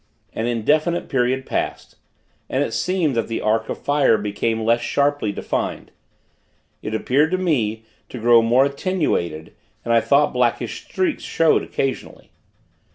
An indefinite period passed, and it seemed that the arc of fire became less sharply defined. It appeared to me to grow more attenuated, and I thought blackish streaks showed, occasionally.